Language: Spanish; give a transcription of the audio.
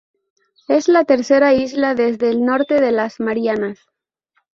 Es la tercera isla desde el Norte de las Marianas.